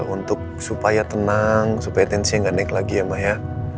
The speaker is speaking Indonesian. untuk supaya tenang supaya tensinya nggak naik lagi ya mbak ya